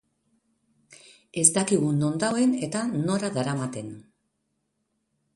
Ez dakigu non dagoen eta nora daramaten.